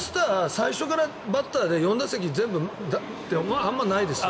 最初からバッターで４打席ってあまりないですよ。